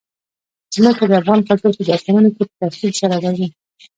ځمکه د افغان کلتور په داستانونو کې په تفصیل سره راځي.